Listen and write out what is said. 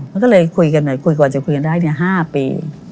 แล้วก็เลยคุยกันคุยก่อนจะคุยกันได้๕ปี